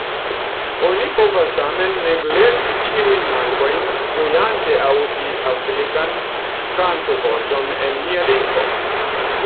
Oni povas tamen neglekti ĉiujn mankojn, ĝojante aŭdi afrikan kanto-voĉon en nia lingvo.